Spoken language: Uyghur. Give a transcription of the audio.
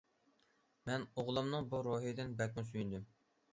مەن ئوغلۇمنىڭ بۇ روھىدىن بەكمۇ سۆيۈندۈم.